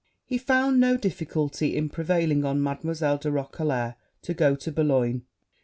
He found no difficulty in prevailing on Mademoiselle de Roquelair to go to Bologne.